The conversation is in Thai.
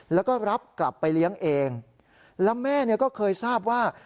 แล้วก็รับกลับไปเลี้ยงเองแล้วแม่เนี่ยก็เคยทราบว่า